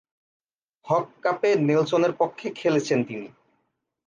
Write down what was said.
হক কাপে নেলসনের পক্ষে খেলেছেন তিনি।